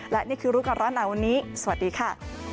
และนี่คือรู้ก่อนร้อนหนาวันนี้สวัสดีค่ะ